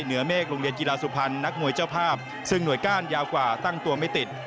เมฆโรงเรียนกีฬาสุพรรณนักมวยเจ้าภาพซึ่งหน่วยก้านยาวกว่าตั้งตัวไม่ติด